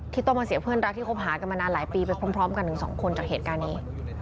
ต้องมาเสียเพื่อนรักที่คบหากันมานานหลายปีไปพร้อมกันถึงสองคนจากเหตุการณ์นี้